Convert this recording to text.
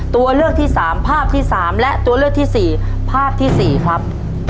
ตัวเลือกที่สามภาพที่สามและตัวเลือกที่สี่ภาพที่สี่ครับ